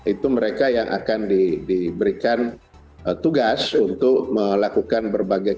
itu mereka yang akan diberikan tugas untuk melakukan berbagai kegiatan